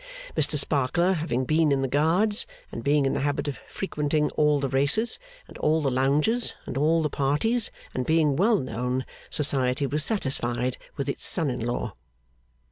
Mr Sparkler having been in the Guards, and being in the habit of frequenting all the races, and all the lounges, and all the parties, and being well known, Society was satisfied with its son in law.